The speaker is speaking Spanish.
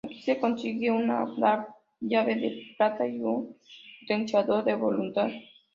Aquí se consigue una Llave de Plata y un Potenciador de Voluntad.